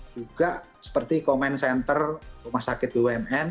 juga seperti comment center rumah sakit bumn